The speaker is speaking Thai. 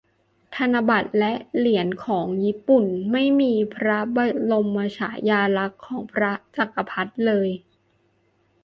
ธนบัตรและหรียนของญี่ปุ่นไม่มีพระบรมนมฉายาลักษ์ของพระจักรพรรดิเลย